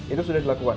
itu sudah dilakukan